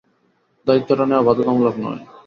দায়িত্বটা নেয়া বাধ্যতামূলক নয়।